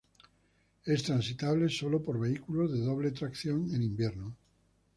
Es transitable sólo por vehículos de doble tracción en invierno.